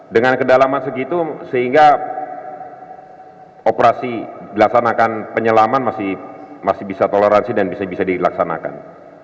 dengan kedalaman segitu sehingga operasi dilaksanakan penyelaman masih bisa toleransi dan bisa bisa dilaksanakan